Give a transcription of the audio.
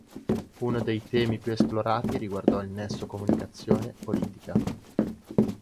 Uno dei temi più esplorati riguardò il nesso comunicazione-politica.